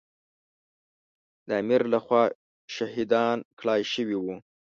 د امیر له خوا شهیدان کړای شوي وو.